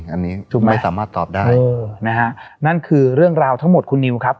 อันนี้จุ้มไม่สามารถตอบได้เออนะฮะนั่นคือเรื่องราวทั้งหมดคุณนิวครับ